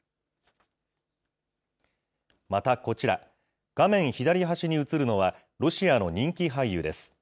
またこちら、画面左端に映るのは、ロシアの人気俳優です。